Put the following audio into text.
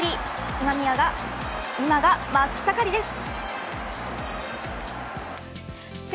今宮は今が真っ盛りです。